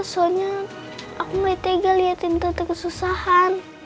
soalnya aku mah tega liatin tante kesusahan